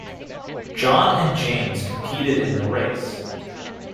John and James competed in the race